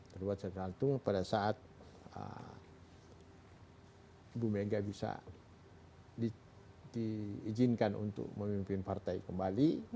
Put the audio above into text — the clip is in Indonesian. terlibat secara langsung pada saat bu mega bisa diizinkan untuk memimpin partai kembali